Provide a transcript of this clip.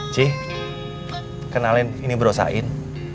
ci kenalin ini bro sain